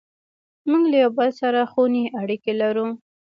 موږ له یو بل سره خوني اړیکې لرو.